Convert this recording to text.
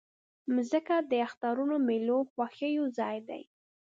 مځکه د اخترونو، میلو، خوښیو ځای ده.